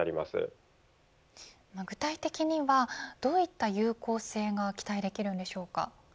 具体的にはどういった有効性が期待できるんでしょうか。